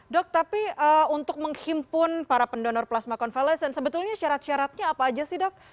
dok tapi untuk menghimpun para pendonor plasma konvalesen sebetulnya syarat syaratnya apa aja sih dok